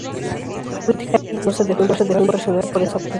Whitehead no se dejó impresionar por esa objeción.